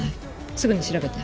すぐに調べて。